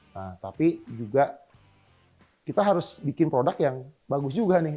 nah tapi juga kita harus bikin produk yang bagus juga nih